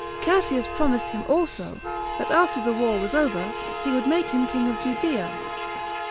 Cassius promised him also, that after the war was over, he would make him king of Judea.